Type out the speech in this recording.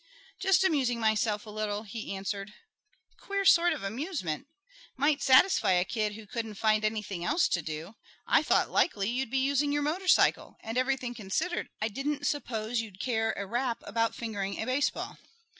"Just amusing myself a little," he answered. "Queer sort of amusement. Might satisfy a kid who couldn't find anything else to do. I thought likely you'd be using your motorcycle; and, everything considered, I didn't suppose you'd care a rap about fingering a baseball."